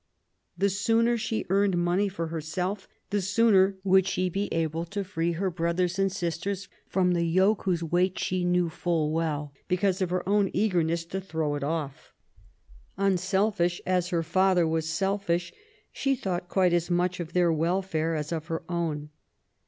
The sooner she earned money for herself, the sooner would she be able to free her brothers and sisters from the yoke whose weight she knew full well because of her own eagerness to throw it off. Unselfish as her father was selfish, she thought quite as much of their welfare as of her own.